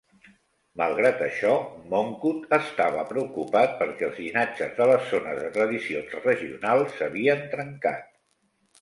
Malgrat això, Mongkut estava preocupat perquè els llinatges de les zones de tradicions regionals s'havien trencat.